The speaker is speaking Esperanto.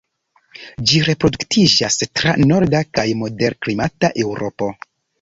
Ĝi reproduktiĝas tra norda kaj moderklimata Eŭropo.